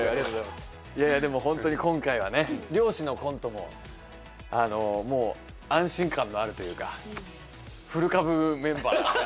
いやいやでも本当に今回はね漁師のコントももう安心感のあるというか古株メンバーが。